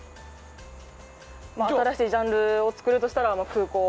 新しいジャンルを作るとしたら空港。